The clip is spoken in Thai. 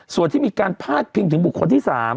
ส่วนที่มีการพาดพิงถึงบุคคลที่๓